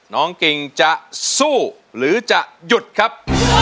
กิ่งจะสู้หรือจะหยุดครับ